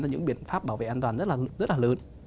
những biện pháp bảo vệ an toàn rất là lớn